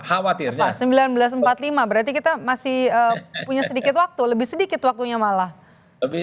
khawatir pak seribu sembilan ratus empat puluh lima berarti kita masih punya sedikit waktu lebih sedikit waktunya malah lebih